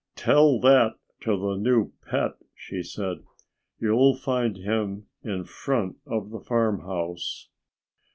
"Tell that to the new pet!" she said. "You'll find him in front of the farmhouse."